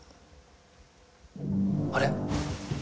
あれ？